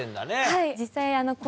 はい。